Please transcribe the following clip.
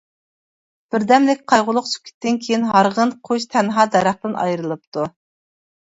بىردەملىك قايغۇلۇق سۈكۈتتىن كىيىن ھارغىن قۇش تەنھا دەرەختىن ئايرىلىپتۇ.